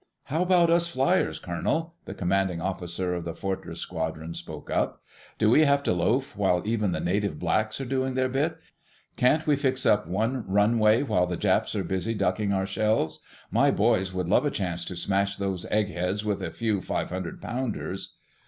"How about us fliers, Colonel?" the commanding officer of the Fortress squadron spoke up. "Do we have to loaf while even the native blacks are doing their bit? Can't we fix up one runway while the Japs are busy ducking our shells? My boys would love a chance to smash those egg heads with a few five hundred pounders."